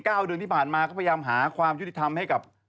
เดือนที่ผ่านมาก็พยายามหาความยุติธรรมให้กับ